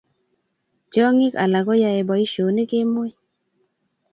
Tiongik alak ko yae boishonik kemoi